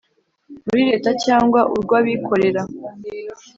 muri Leta cyangwa urw abikorera